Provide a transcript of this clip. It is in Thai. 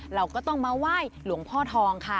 เราก็ต้องมาไหว้หลวงพ่อทองค่ะ